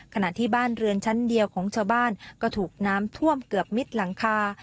ขณะที่บ้านเรือนชั้นเดียวของชาวบ้านก็ถูกน้ำท่วมเกือบมิดหลังคา